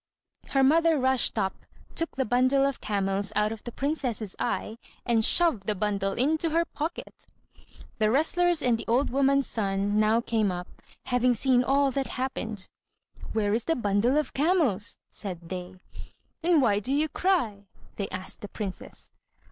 Her mother rushed up, took the bundle of camels out of the princess's eye, and shoved the bundle into her pocket. The wrestlers and the old woman's son now came up, having seen all that had happened. "Where is the bundle of camels?" said they, "and why do you cry?" they asked the princess.